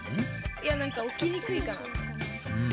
いやなんかおきにくいかなって。